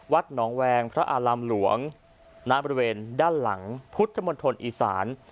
วัดหนองแวงพระอารามหลวงณบริเวณด้านหลังพุทธมณฑลอีสาน